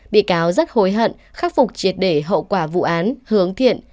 bị cáo rất hối hận khắc phục triệt để hậu quả vụ án hướng thiện